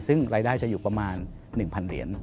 ซึ่งรายได้จะอยู่ประมาณ๑๐๐เหรียญ